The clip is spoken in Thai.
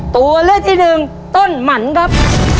ตัวเลือกที่หนึ่งต้นหมั่นครับ